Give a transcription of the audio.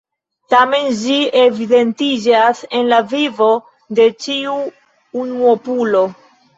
Tamen ĝi evidentiĝas en la vivo de ĉiu unuopulo.